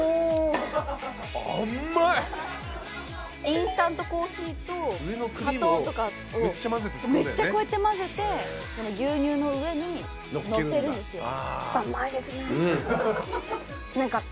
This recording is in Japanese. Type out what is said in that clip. インスタントコーヒーと砂糖とかをめっちゃ混ぜて牛乳の上にのっけるんですよ。